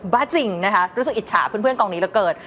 บ้าจริงนะคะรู้สึกอิจฉาเพื่อนกองนี้เหลือเกิน